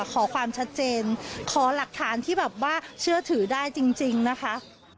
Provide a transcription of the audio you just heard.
ขอความชัดเจนขอหลักฐานที่แบบว่าเชื่อถือได้จริงนะคะ